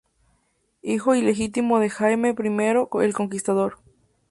Hijo ilegítimo de Jaime I el Conquistador.